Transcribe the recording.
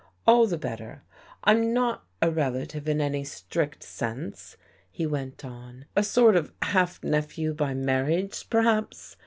" All the better. I'm not a relative in any strict sense," he went on. " A sort of half nephew by marriage, perhaps.